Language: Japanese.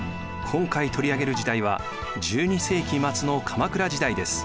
今回取り上げる時代は１２世紀末の鎌倉時代です。